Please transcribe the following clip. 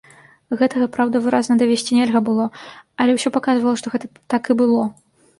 Гэтага, праўда, выразна давесці нельга было, але ўсё паказвала, што гэта так і было.